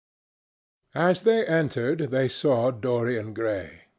As they entered they saw Dorian Gray.